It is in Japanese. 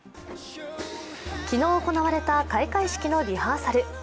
昨日行われた開会式のリハーサル。